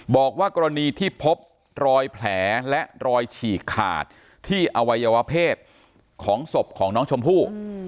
บอกว่ากรณีที่พบรอยแผลและรอยฉีกขาดที่อวัยวะเพศของศพของน้องชมพู่